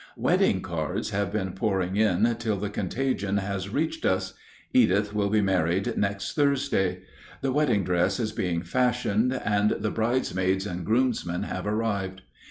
Wedding cards have been pouring in till the contagion has reached us; Edith will be married next Thursday. The wedding dress is being fashioned, and the bridesmaids and groomsmen have arrived.